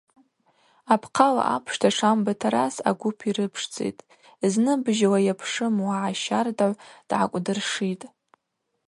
Апхъала апшта Шамба Тарас агвып йрыпшдзитӏ, зныбыжьла йапшым уагӏа щардагӏв дгӏакӏвдыршитӏ.